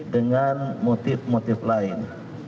dengan motif motif lain